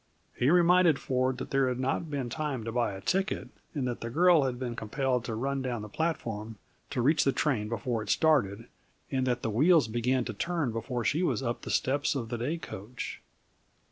He reminded Ford that there had not been time to buy a ticket, and that the girl had been compelled to run down the platform to reach the train before it started, and that the wheels began to turn before she was up the steps of the day coach.